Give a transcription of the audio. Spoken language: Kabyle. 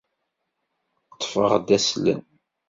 Ṭṭfeɣ-d aslem!